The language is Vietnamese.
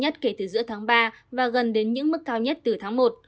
nhất kể từ giữa tháng ba và gần đến những mức cao nhất từ tháng một